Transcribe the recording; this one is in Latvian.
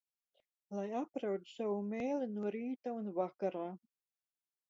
Lai apraud savu mēli no rīta un vakarā.